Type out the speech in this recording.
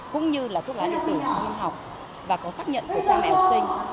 cũng như là thuốc lá điện tử trong y học và có xác nhận của cha mẹ học sinh